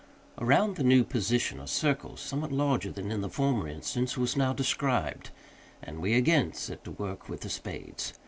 Around the new position a circle, somewhat larger than in the former instance, was now described, and we again set to work with the spades.